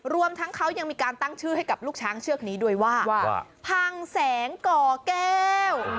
รวมทั้งเขายังมีการตั้งชื่อให้กับลูกช้างเชือกนี้ด้วยว่าว่าพังแสงก่อแก้ว